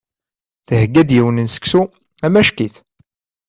Thegga-d yiwen n seksu amacki-t.